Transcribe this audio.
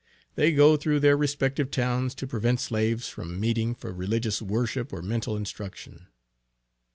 They go through their respective towns to prevent slaves from meeting for religious worship or mental instruction.